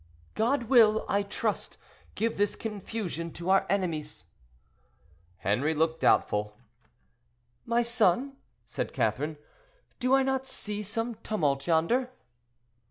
"God will, I trust, give this confusion to our enemies." Henri looked doubtful. "My son," said Catherine, "do I not see some tumult yonder?"